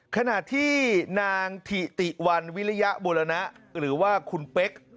ขณะที่นางถิติวันวิริยบุรณะหรือว่าคุณเป๊ก